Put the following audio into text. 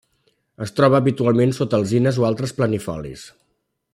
Es troba habitualment sota alzines o altres planifolis.